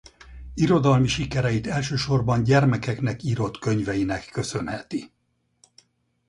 Irodalmi sikereit elsősorban gyermekeknek írott könyveinek köszönheti.